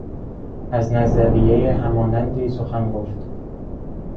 از نظریه همانندی سخن گفت